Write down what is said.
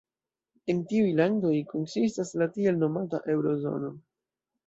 El tiuj landoj konsistas la tiel nomata "Eŭro-zono".